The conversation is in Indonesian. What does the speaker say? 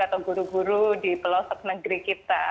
atau guru guru di pelosok negeri kita